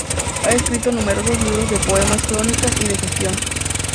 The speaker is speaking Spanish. Ha escrito numerosos libros de poemas, crónicas y de gestión.